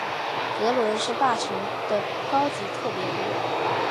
格伦是大臣的高级特别顾问。